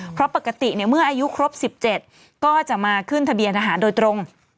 เพราะปกติเมื่ออายุครบ๑๗ก็จะมาขึ้นทะเบียนอาหารโดยตรง